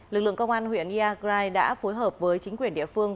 lực lượng công an huyện iagrai đã phối hợp với chính quyền địa phương